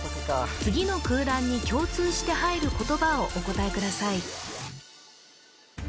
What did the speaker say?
次の空欄に共通して入る言葉をお答えください